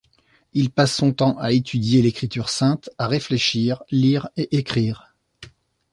Il passe son temps à étudier l'Écriture Sainte, à réfléchir, lire et écrire.